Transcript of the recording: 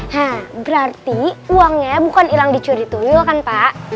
hah berarti uangnya bukan hilang di curi tuyul kan pak